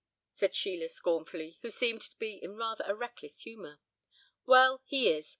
said Sheila scornfully, who seemed to be in rather a reckless humour. "Well! he is.